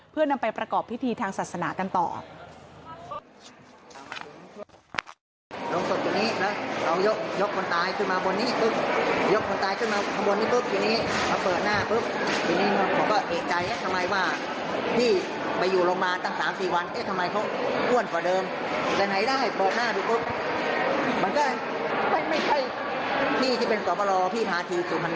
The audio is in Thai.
เพื่อนำไปประกอบพิธีทางศาสนากันต่อ